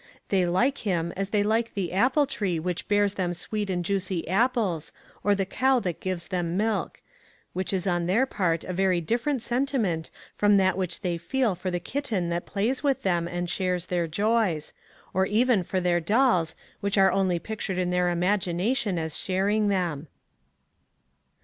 They like him as they like the apple tree which bears them sweet and juicy apples, or the cow that gives them milk which is on their part a very different sentiment from that which they feel for the kitten that plays with them and shares their joys or even for their dolls, which are only pictured in their imagination as sharing them.